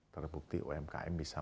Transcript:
terbukti umkm bisa